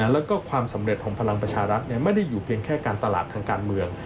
แล้วก็ความสำเร็จของพลังประชารัฐไม่ได้อยู่เพียงแค่การตลาดทางการเมือง